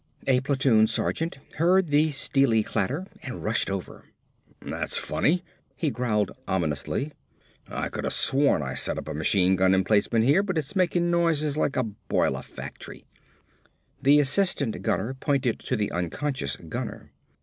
A platoon sergeant heard the steely clatter and rushed over. "That's funny," he growled ominously, "I coulda sworn I set up a machine gun emplacement here but it's makin' noises like a boiler factory." The assistant gunner pointed to the unconscious gunner.